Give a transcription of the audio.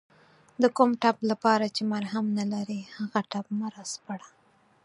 د کوم ټپ لپاره چې مرهم نلرې هغه ټپ مه راسپړه